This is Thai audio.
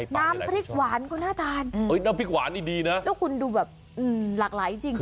น้ำพริกหวานก็น่าทานน้ำพริกหวานนี่ดีนะแล้วคุณดูแบบหลากหลายจริง